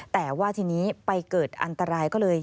แต่ว่าทีนี้ไปเกิดอันตรายก็เลย